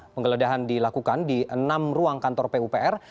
penggeledahan dilakukan di enam ruang kantor pupr